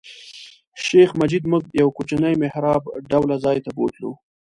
شیخ مجید موږ یو کوچني محراب ډوله ځای ته بوتلو.